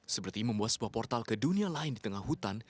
seperti membuat sebuah portal ke dunia lain di tengah hutan